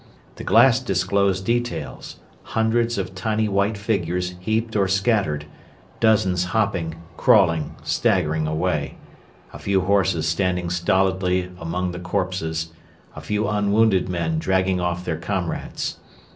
The glass disclosed details hundreds of tiny white figures heaped or scattered; dozens hopping, crawling, staggering away; a few horses standing stolidly among the corpses; a few unwounded men dragging off their comrades.